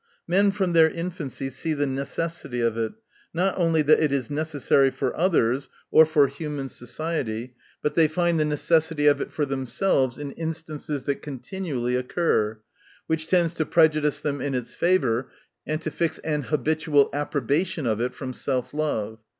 Men from their infancy see the necessity of it, not only that it is necessary for others, or for human society ; but they find the necessity of it for themselves, in instances that continual^ occur ; which tends to prejudice them in its favor, and to fix an habitual appro bation of it from self love.